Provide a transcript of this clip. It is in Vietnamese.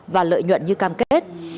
và lợi nhuận như cam kết